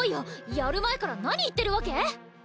やる前から何言ってるわけ？